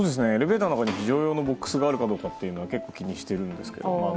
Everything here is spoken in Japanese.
エレベーターの中に非常用のボックスがあるかどうか結構、気にしているんですけど。